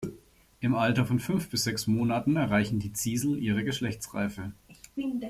Im Alter von fünf bis sechs Monaten erreichen die Ziesel ihre Geschlechtsreife.